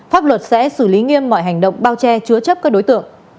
pháp luật sẽ xử lý nghiêm mọi hành động bao che chứa chấp các đối tượng